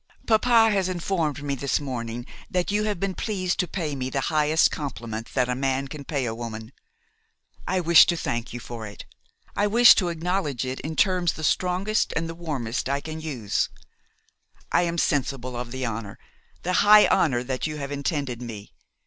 Papa has informed me this morning that you have been pleased to pay me the highest compliment that a man can pay a woman. I wish to thank you for it. I wish to acknowledge it in terms the strongest and the warmest I can use. I am sensible of the honour, the high honour that you have intended me.